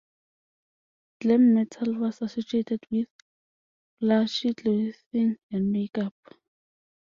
Glam metal was associated with flashy clothing and makeup.